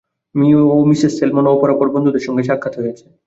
Me ও Mrs Salmon ও অপরাপর বন্ধুদের সঙ্গে সাক্ষাৎ হয়েছে।